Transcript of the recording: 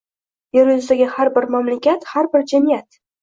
Yer yuzidagi har bir mamlakat, har bir jamiyat